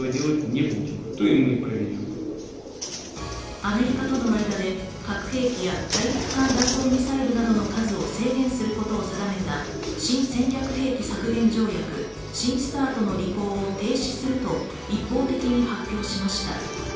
アメリカとの間で核兵器や大陸間弾道ミサイルなどの数を制限することを定めた新戦略兵器削減条約＝新ＳＴＡＲＴの履行を停止すると一方的に発表しました。